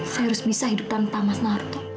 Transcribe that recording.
saya harus bisa hidup tanpa mas narko